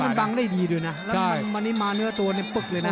มันบังได้ดีด้วยนะแล้ววันนี้มาเนื้อตัวในปึ๊กเลยนะ